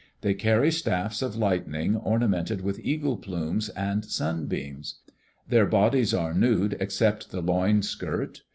They carry staffs of lightning ornamented with eagle plumes and sunbeams. Their bodies are nude except the loin skirt.